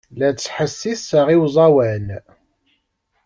La ttḥessiseɣ i uẓawan.